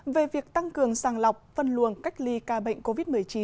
về việc tăng cường sàng lọc phân luồng cách ly ca bệnh covid một mươi chín